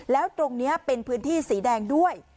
แล้วตรงนี้เป็นพื้นที่สีแดงด้วย